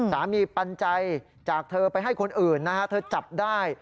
สามีปัญญาจากเธอไปให้คนอื่นเธอจับได้